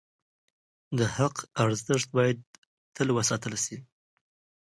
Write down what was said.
د حق ارزښت باید تل وساتل شي.